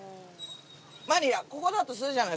マニラここだとするじゃないですか。